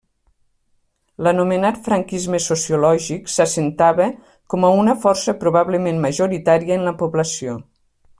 L'anomenat franquisme sociològic s'assentava com a una força probablement majoritària en la població.